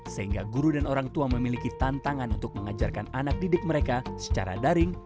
sehingga guru dan orang tua memiliki tantangan untuk mengajarkan anak didik mereka secara daring